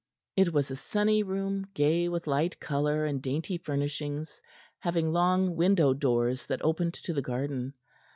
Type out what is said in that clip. It was a sunny room, gay with light color and dainty furnishings, having long window doors that opened to the garden.